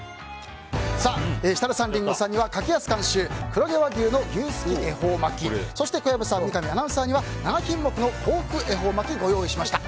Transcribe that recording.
設楽さん、リンゴさんには柿安監修黒毛和牛の牛すき恵方巻そして、小籔さん、三上アナには七品目の幸福恵方巻をご用意しました。